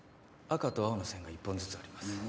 赤と青の線が１本ずつあります。